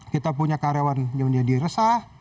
kita punya karyawan yang diresah